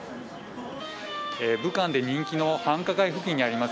武漢で人気の繁華街付近にあります